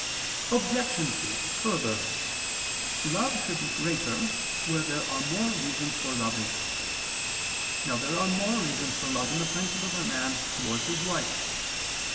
Obj. 2: Further, love should be greater where there are more reasons for loving. Now there are more reasons for love in the friendship of a man towards his wife.